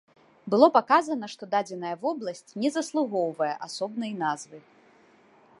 Было паказана, што дадзеная вобласць не заслугоўвае асобнай назвы.